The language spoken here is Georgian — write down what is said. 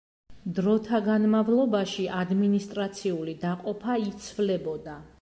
დროთა განმავლობაში ადმინისტრაციული დაყოფა იცვლებოდა.